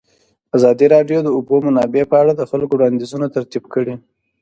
ازادي راډیو د د اوبو منابع په اړه د خلکو وړاندیزونه ترتیب کړي.